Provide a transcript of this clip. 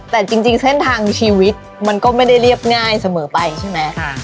แต่จริงเส้นทางชีวิตมันก็ไม่ได้เรียบง่ายเสมอไปใช่ไหม